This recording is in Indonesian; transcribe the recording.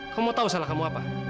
kamu mau tau salah kamu apa